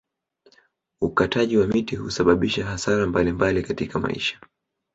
Ukataji wa miti husababisha hasara mbalimbali katika maisha